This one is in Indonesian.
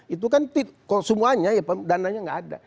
itu kan kalau semuanya ya dananya nggak ada